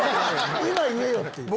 今言えよ！っていう。